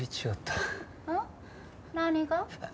えっ？何が？